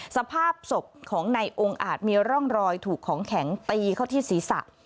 สภาพศพของนายองค์อาจมีร่องรอยถูกของแข็งตีเข้าที่ศีรษะ